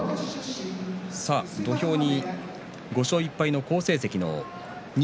土俵に５勝１敗の好成績の錦